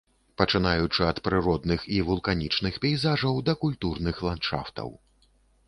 Пачынаючы ад прыродных і вулканічных пейзажаў да культурных ландшафтаў.